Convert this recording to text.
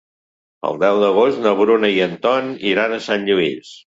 El deu d'agost na Bruna i en Ton iran a Sant Lluís.